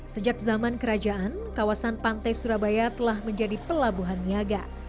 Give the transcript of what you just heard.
sejak zaman kerajaan kawasan pantai surabaya telah menjadi pelabuhan niaga